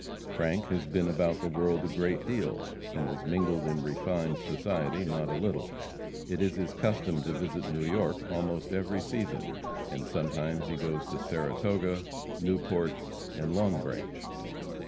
Frank has been about the world a great deal, and has mingled in refined society not a little. It is his custom to visit New York almost every season, and sometimes he goes to Saratoga, Newport and Long Branch.